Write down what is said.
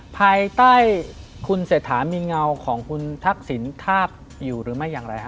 ภายใต้คุณเศรษฐามีเงาของคุณทักษิณทาบอยู่หรือไม่อย่างไรฮะ